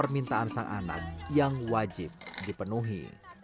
lintang anak yang wajib dipenuhi